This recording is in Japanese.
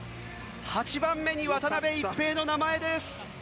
８番目に渡辺一平の名前です！